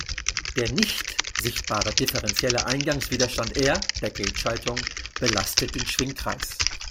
Der nicht sichtbare differentielle Eingangswiderstand "r" der Gate-Schaltung belastet den Schwingkreis.